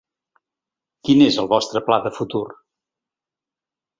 Quin és el vostre pla de futur?